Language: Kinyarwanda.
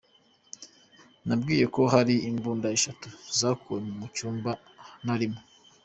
Nabwiwe ko hari imbunda eshatu zakuwe mu cyumba narimo.